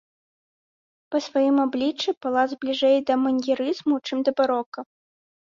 Па сваім абліччы палац бліжэй да маньерызму, чым да барока.